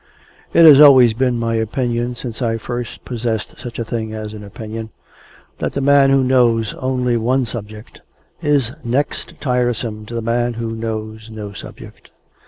It has always been my opinion since I first possessed such a thing as an opinion, that the man who knows only one subject is next tiresome to the man who knows no subject.